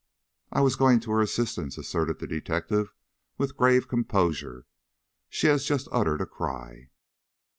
"I was going to her assistance," asserted the detective, with grave composure. "She has just uttered a cry."